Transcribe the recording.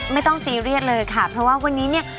ซีเรียสเลยค่ะเพราะว่าวันนี้เนี่ย